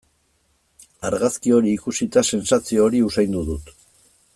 Argazki hori ikusita sentsazio hori usaindu dut.